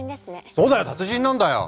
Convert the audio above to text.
そうだよ達人なんだよ。